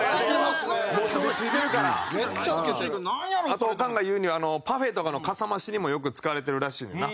あとオカンが言うにはパフェとかのかさ増しにもよく使われてるらしいねんな。